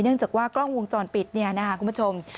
เนื่องจากว่ากล้องวงจรปิดเนี่ยนะคุณผู้ชม